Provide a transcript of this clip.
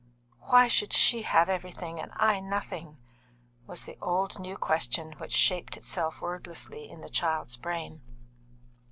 "Why should she have everything and I nothing?" was the old new question which shaped itself wordlessly in the child's brain.